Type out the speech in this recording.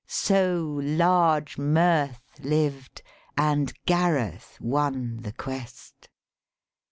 So large mirth lived and Gareth won the quest.